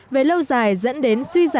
về lâu dài dẫn đến suy giảm